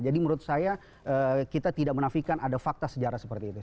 jadi menurut saya kita tidak menafikan ada fakta sejarah seperti itu